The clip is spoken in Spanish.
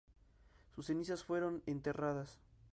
Sus cenizas fueron enterradas en su ciudad natal de Rochester.